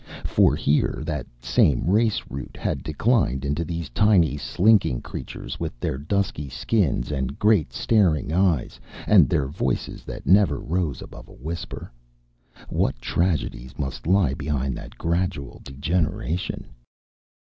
For here that same race root had declined into these tiny, slinking creatures with their dusky skins and great, staring eyes and their voices that never rose above a whisper. What tragedies must lie behind that gradual degeneration!